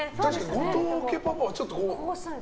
後藤家パパはちょっと。